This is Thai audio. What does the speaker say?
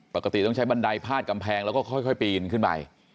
ต้องใช้บันไดพาดกำแพงแล้วก็ค่อยปีนขึ้นไป